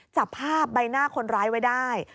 จับภาพใบหน้าคนร้ายไว้ได้